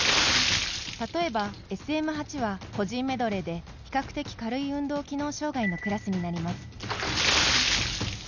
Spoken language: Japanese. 例えば、ＳＭ８は個人メドレーで比較的軽い運動機能障がいのクラスになります。